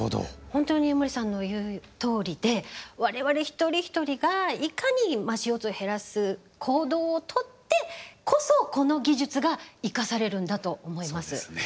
本当に江守さんの言うとおりで我々一人一人がいかにＣＯを減らす行動を取ってこそこの技術が生かされるんだと思います。